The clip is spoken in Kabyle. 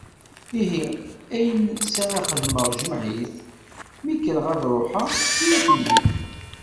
Ihi, ayen s ara xedmeɣ jmeɛ-it, mi kreɣ ad ruḥeɣ, efk-iyi-ten-id.